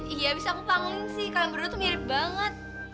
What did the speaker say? iya abis aku panggung sih kalian berdua tuh mirip banget